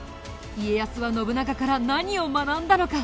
家康は信長から何を学んだのか？